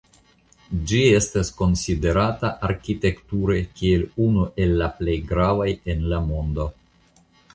Ĝi estas konsiderata arkitekture kiel unu el la plej gravaj en la mondo.